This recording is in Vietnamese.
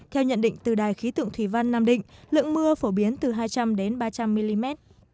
theo nhận định từ đài khí tượng thủy văn nam định lượng mưa phổ biến từ hai trăm linh đến ba trăm linh mm